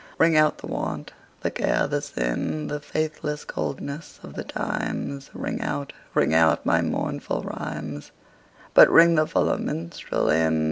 Ring out the want, the care the sin, The faithless coldness of the times; Ring out, ring out my mournful rhymes, But ring the fuller minstrel in.